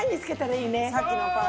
さっきのパン。